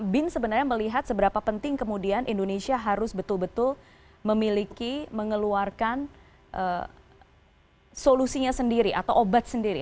bin sebenarnya melihat seberapa penting kemudian indonesia harus betul betul memiliki mengeluarkan solusinya sendiri atau obat sendiri